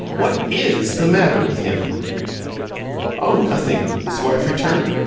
"What IS the matter with him?" "Oh, nothing," his wife returned.